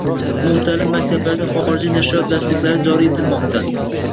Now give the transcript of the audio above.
Umumta’lim maktablarida xorijiy nashriyot darsliklari joriy etilmoqdang